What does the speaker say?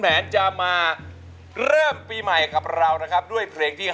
เพราะเหรอนะไม่ใช่แค่หนุนาคนเดียว